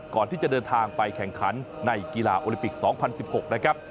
ก่อนที่จะเดินทางไปแข่งขันในกีฬาโอลิปิก๒๐๑๖นะครับ